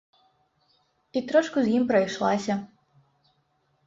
І трошку з ім прайшлася.